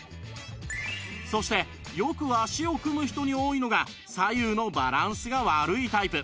そしてよく脚を組む人に多いのが左右のバランスが悪いタイプ